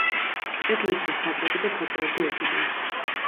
კედლებზე ხატები და ფოტოები ეკიდა.